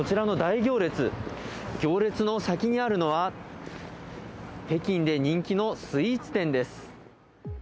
行列の先にあるのは北京で人気のスイーツ店です。